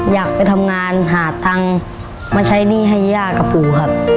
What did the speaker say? อยากไปทำงานหาตังค์มาใช้หนี้ให้ย่ากับปู่ครับ